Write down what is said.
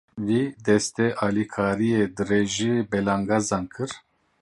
Wî, destê alîkariyê dirêjî belengazan kir.